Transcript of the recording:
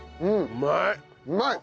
うまい！